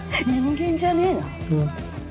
人間じゃねえな？